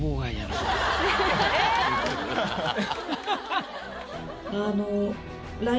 え⁉ハハハ！